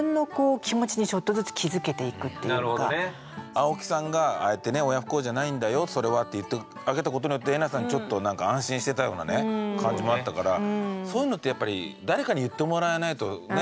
青木さんがああやってね「親不孝じゃないんだよそれは」って言ってあげたことによってえなさんちょっとなんか安心してたようなね感じもあったからそういうのってやっぱり誰かに言ってもらえないとね